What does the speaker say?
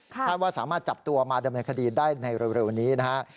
คาดว่าสามารถจับตัวมาดำเนินคดีได้ในเร็วนี้นะฮะ